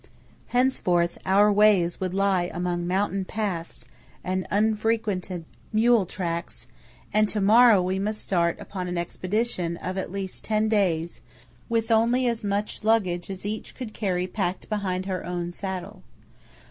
Henceforth our ways would lie among mountain paths and unfrequented mule tracks, and to morrow we must start upon an expedition of at least ten days with only as much luggage as each could carry packed behind her own saddle.